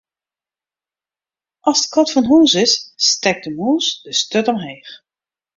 As de kat fan hús is, stekt de mûs de sturt omheech.